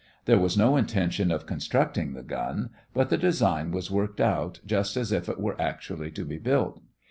There was no intention of constructing the gun, but the design was worked out just as if it were actually to be built.